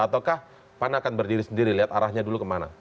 ataukah pan akan berdiri sendiri lihat arahnya dulu kemana